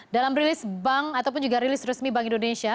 dalam rilis bank ataupun juga rilis resmi bank indonesia